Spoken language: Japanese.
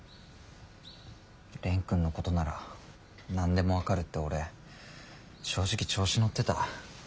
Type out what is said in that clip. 蓮くんのことなら何でも分かるって俺正直調子乗ってた。